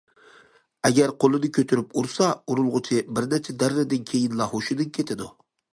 ئەگەر قولىنى كۆتۈرۈپ ئۇرسا، ئۇرۇلغۇچى بىر نەچچە دەررىدىن كېيىنلا ھوشىدىن كېتىدۇ.